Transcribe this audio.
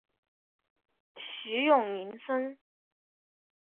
徐永宁孙。